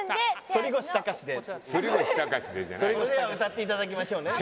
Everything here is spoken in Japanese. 「それでは歌っていただきましょう」ね。